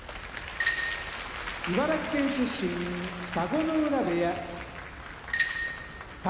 茨城県出身田子ノ浦部屋宝